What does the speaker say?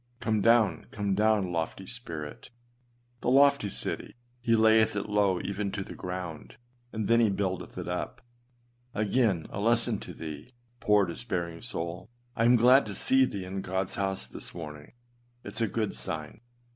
Come down, come down, lofty spirit! The lofty city, he layeth it low even to the ground, and then he buildeth it up. Again, a lesson to thee, poor despairing souk I am glad to see thee in Godâs house this morning; it is a good sign.